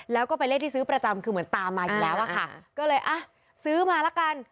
แล้วก็เป็นเลขที่ซื้อประจำคือเหมือนตามมาอยู่แล้วอะค่ะก็เลยอ่ะซื้อมาละกัน